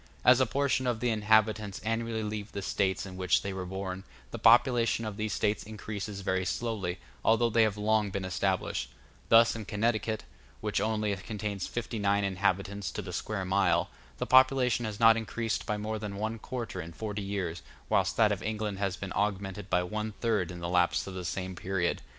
As a portion of the inhabitants annually leave the States in which they were born, the population of these States increases very slowly, although they have long been established: thus in Connecticut, which only contains fifty nine inhabitants to the square mile, the population has not increased by more than one quarter in forty years, whilst that of England has been augmented by one third in the lapse of the same period.